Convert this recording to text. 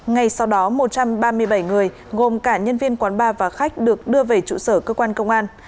ngay sau đó một trăm ba mươi bảy người gồm cả nhân viên quán bar và khách được đưa về trụ sở cơ quan công an